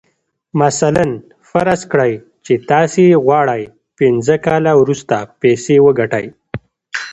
مثلاً فرض کړئ چې تاسې غواړئ پينځه کاله وروسته پيسې وګټئ.